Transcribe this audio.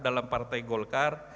dalam partai golkar